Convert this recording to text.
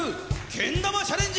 けん玉チャレンジ